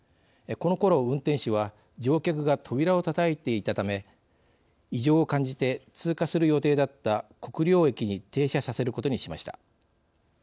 このころ、運転士は乗客が扉をたたいていたため異常を感じて通過する予定だった国領駅に停車させることにしました。